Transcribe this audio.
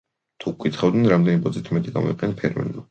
თუ გვკითხავდნენ რამდენი ბოძით მეტი გამოიყენა ფერმერმა.